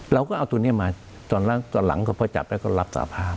เราก็เอาตัวเนี้ยมาตอนล่างตอนหลังเขาพอจับแล้วก็รับสระพาพ